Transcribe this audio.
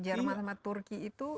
jerman sama turki itu